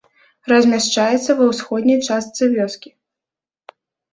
Размяшчаецца ва ўсходняй частцы вёскі.